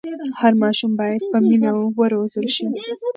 هر ماشوم باید په مینه وروزل سي.